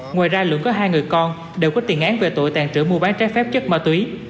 ngoài ra lượng có hai người con đều có tiền án về tội tàn trữ mua bán trái phép chất ma túy